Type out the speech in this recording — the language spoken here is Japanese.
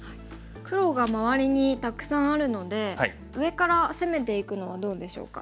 黒が周りにたくさんあるので上から攻めていくのはどうでしょうか。